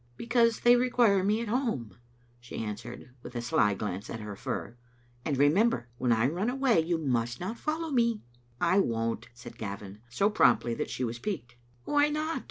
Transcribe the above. "Because they require me at home," she answered, with a sly glance at her fir. " And, remember, when I run away you must not follow me. " "I won't," said Gavin, so promptly that she was piqued. "Why not?"